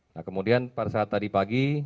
nah kemudian pada saat tadi pagi